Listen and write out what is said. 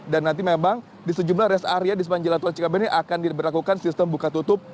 dan nanti memang di sejumlah rest area di sepanjang jalan tol cikampek ini akan diberlakukan sistem buka tutup